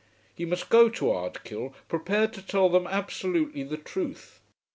He must go to Ardkill prepared to tell them absolutely the truth.